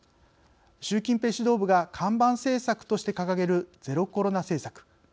習近平指導部が看板政策として掲げるゼロコロナ政策。